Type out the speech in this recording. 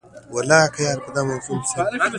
هغه د پولادو د راتلونکي وضعیت په هکله خبرې وکړې